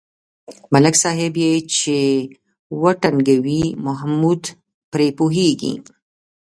ملک صاحب یې چې و ټنگوي محمود پرې پوهېږي.